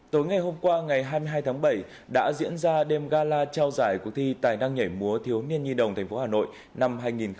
tối ngày hôm qua ngày hai mươi hai tháng bảy đã diễn ra đêm gala trao giải cuộc thi tài năng nhảy múa thiếu niên nhi đồng tp hà nội năm hai nghìn hai mươi